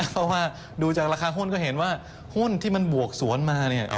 เพราะว่าดูจากราคาหุ้นก็เห็นว่าหุ้นที่มันบวกสวนมาเนี่ย